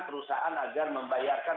perusahaan agar membayarkan